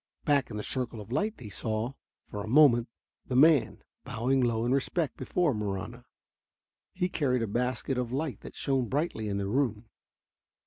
Back in the circle of light they saw, for a moment, the man, bowing low in respect before Marahna. He carried a basket of light that shone brightly in the room.